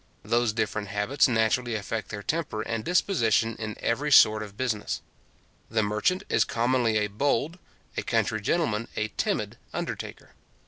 Those different habits naturally affect their temper and disposition in every sort of business. The merchant is commonly a bold, a country gentleman a timid undertaker.